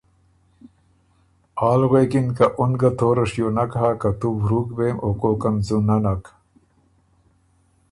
آل غوېکِن که ”اُن ګۀ توره شیو نک هۀ که تُو ورُوک بېم او کوکن ځُونۀ نک“